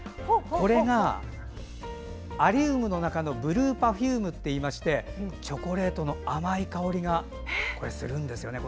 これが、アリウムの中のブルーパフュームといいましてチョコレートの甘い香りがするんですよね。